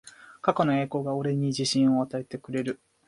過去の栄光が俺に自信を与えてくれる